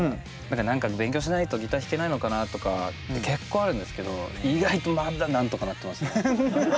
だから何か勉強しないとギター弾けないのかなとか結構あるんですけど意外とまだなんとかなってますね。